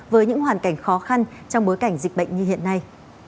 với những hoàn cảnh khó khăn trong bối cảnh dịch bệnh như hiện nay